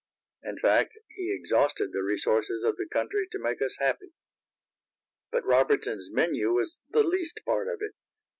In fact, he exhausted the resources of the country to make us happy. But Robertson's menu was the least part of it.